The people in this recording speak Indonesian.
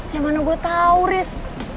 ya mana gue tau riz